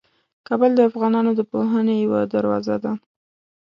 کابل د افغانانو د پوهنې یوه دروازه ده.